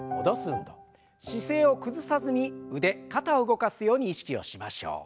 姿勢を崩さずに腕肩を動かすように意識をしましょう。